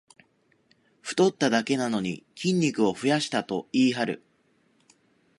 太っただけなのに筋肉を増やしたと言いはる